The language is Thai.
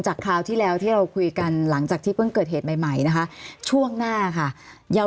คราวที่แล้วที่เราคุยกันหลังจากที่เพิ่งเกิดเหตุใหม่ใหม่นะคะช่วงหน้าค่ะยาว